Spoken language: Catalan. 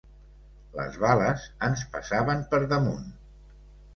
Les bales ens passaven per damunt